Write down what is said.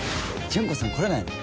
純子さん来れないの？